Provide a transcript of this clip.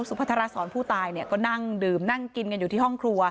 สุพธารสอนผู้ตายก็นั่งดื่มนั่งกินกันอยู่ที่ห้องครัว